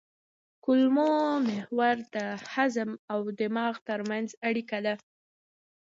کولمو محور د هضم او دماغ ترمنځ اړیکه ده.